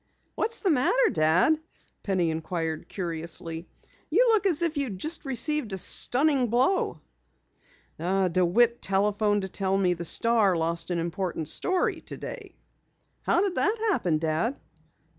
"What's the matter, Dad?" Penny inquired curiously. "You look as if you had just received a stunning blow." "DeWitt telephoned to tell me the Star lost an important story today." "How did that happen, Dad?"